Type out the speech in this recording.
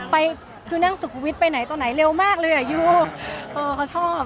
ที่นั่งสุขภูมิชซ์ไปตัวไหนเร็วมากเลยอยู่เขาชอบ